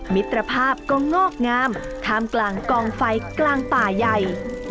มิตรภาพก็งอกงามท่ามกลางกองไฟกลางป่าใหญ่